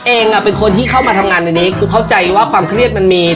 เองอ่ะเป็นคนที่เข้ามาทำงานในนี้กูเข้าใจว่าความเครียดมันมี